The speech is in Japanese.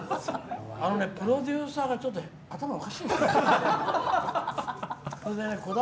プロデューサーがちょっと頭おかしいの。